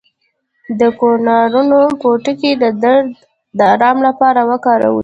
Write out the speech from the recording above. د کوکنارو پوټکی د درد د ارام لپاره وکاروئ